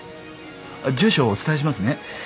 住所をお伝えしますね